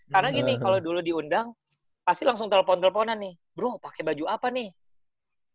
karena gini kalau dulu diundang pasti langsung telpon telponan nih bro pakai baju apa nih